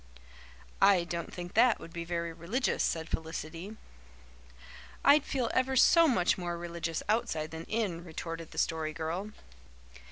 "I don't think that would be very religious," said Felicity. "I'd feel ever so much more religious outside than in," retorted the Story Girl.